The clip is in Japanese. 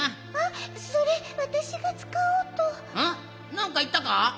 なんかいったか？